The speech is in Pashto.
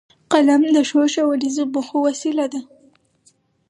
قلم د ښو ښوونیزو موخو وسیله ده